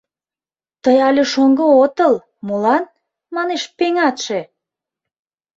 Тый але шоҥго отыл, молан, манеш, пеҥатше?